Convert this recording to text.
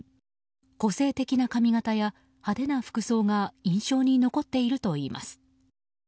個性的な髪形や派手な服装が印象に残っているといいます。